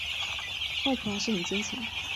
外婆还是很坚强